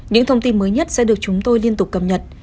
những thông tin mới nhất sẽ được chúng tôi liên tục cập nhật